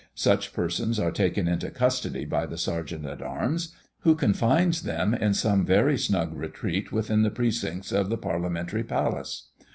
Such persons are taken into custody by the Sergeant at Arms, who confines them in some very snug retreat within the precincts of the Parliamentary palace.